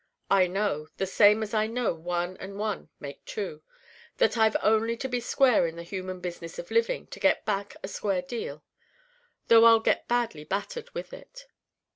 I know, the same as I know one and one make two, that I've only to be square in the human business of living to get back a square deal, though I'll get badly battered, with it.